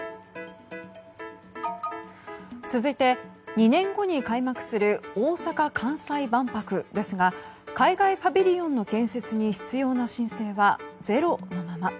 続いて、２年後に開幕する大阪・関西万博ですが海外パビリオンの建設に必要な申請はゼロのまま。